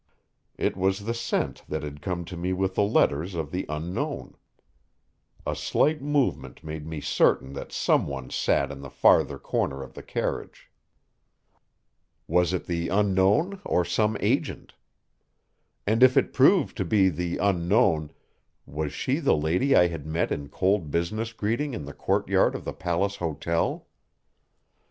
It was the scent that had come to me with the letters of the Unknown. A slight movement made me certain that some one sat in the farther corner of the carriage. Was it the Unknown or some agent? And if it proved to be the Unknown, was she the lady I had met in cold business greeting in the courtyard of the Palace Hotel?